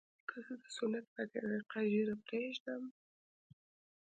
که زه د سنت په طريقه ږيره پرېږدم.